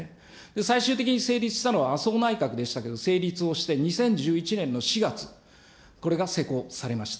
最終的に成立したのは麻生内閣でしたけれども、成立をして２０１１年の４月、これが施行されました。